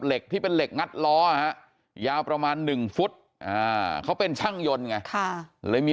ที่เป็นเหล็กงัดล้อยาวประมาณ๑ฟุตเขาเป็นช่างยนต์ไงเลยมี